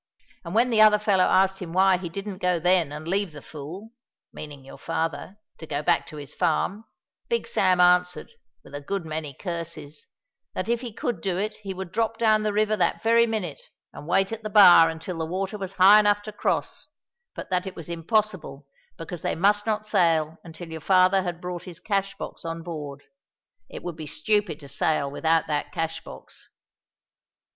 And when the other fellow asked him why he didn't go then and leave the fool meaning your father to go back to his farm, Big Sam answered, with a good many curses, that if he could do it he would drop down the river that very minute and wait at the bar until the water was high enough to cross, but that it was impossible because they must not sail until your father had brought his cash box on board. It would be stupid to sail without that cash box."